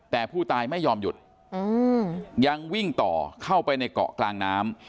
แต่ผู้ตายไม่ยอมหยุดยังวิ่งต่อเข้าไปในเกาะกลางน้ำ